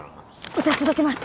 私届けます！